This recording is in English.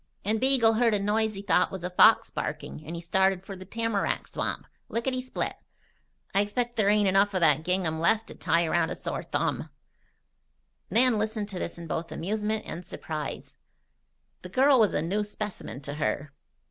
And Beagle heard a noise he thought was a fox barking and he started for the tamarack swamp, lickety split. I expect there ain't enough of that gingham left to tie around a sore thumb." Nan listened to this in both amusement and surprise. The girl was a new specimen to her.